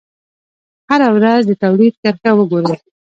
هره ورځ د تولید کرښه وګورئ.